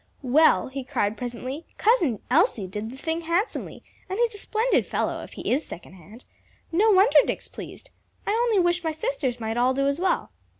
"Well," he cried presently, "Cousin Elsie did the thing handsomely! and he's a splendid fellow, if he is second hand. No wonder Dick's pleased. I only wish my sisters might all do as well."